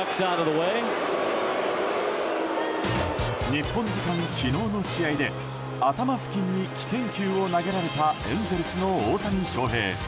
日本時間昨日の試合で頭付近に危険球を投げられたエンゼルスの大谷翔平。